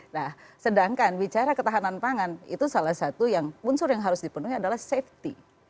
nah sedangkan bicara ketahanan pangan itu salah satu yang unsur yang harus dipenuhi adalah safety